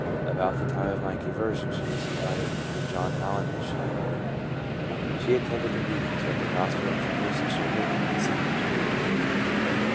About the time of my conversion she was invited into the John Al len Mission. She attended the meetings, but the gospel invitations she heard did not seem to do her any good.